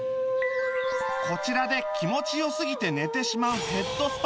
こちらで気持ち良すぎて寝てしまうヘッドスパを受け